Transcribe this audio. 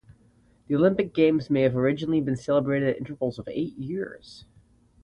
The Olympic games may have originally been celebrated at intervals of eight years.